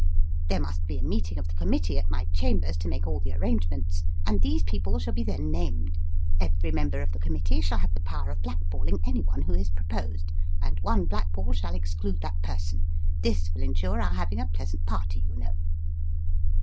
There must be a meeting of the com mittee, at my chambers, to make all the arrangements, and these people shall be then named ; every member of the committee shall have the power of black balling anyone who is proposed ; and one black ball shall exclude that person. This will ensure our having a pleasant party, you know."